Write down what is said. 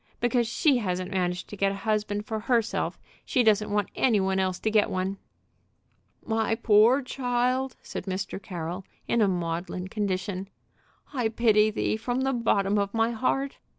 "Because she hasn't managed to get a husband for herself, she doesn't want any one else to get one." "My poor child," said Mr. Carroll, in a maudlin condition, "I pity thee from the bottom of my heart!"